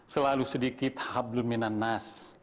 selalu sedikit hablum minanas